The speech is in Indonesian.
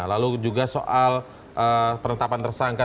lalu juga soal penetapan tersangka